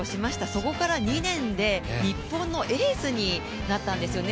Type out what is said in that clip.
そこから２年で日本のエースになったんですよね。